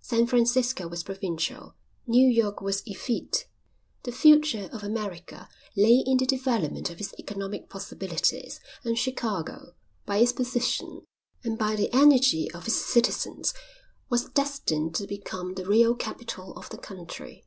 San Francisco was provincial, New York was effete; the future of America lay in the development of its economic possibilities, and Chicago, by its position and by the energy of its citizens, was destined to become the real capital of the country.